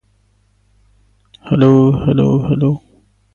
Shimoichi may be reached via Kintetsu Railway on the Minami Osaka Line.